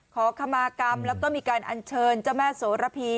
ขอขมากรรมแล้วก็มีการอัญเชิญเจ้าแม่โสระพี